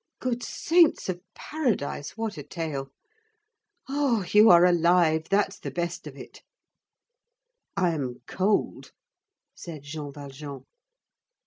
good saints of paradise, what a tale! Ah! you are alive, that's the best of it!" "I am cold," said Jean Valjean.